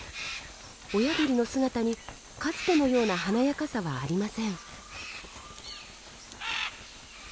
親鳥の姿にかつてのような華やかさはありません。